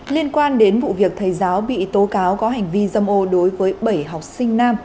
liên quan đến vụ việc thầy giáo bị tố cáo có hành vi dâm ô đối với bảy học sinh nam